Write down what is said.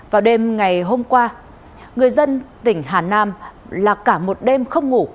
vào đêm ngày hôm qua người dân tp hà nam lạc cả một đêm không ngủ